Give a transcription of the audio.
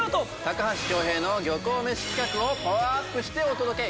高橋恭平の漁港めし企画をパワーアップしてお届け！